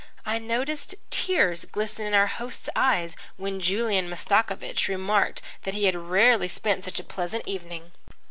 I noticed tears glisten in our host's eyes when Julian Mastakovich remarked that he had rarely spent such a pleasant evening.